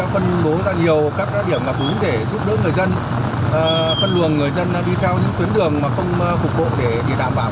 phân bố ra nhiều các điểm mà cũng để giúp đỡ người dân phân luồng người dân đi theo những tuyến đường mà không cục bộ để đảm bảo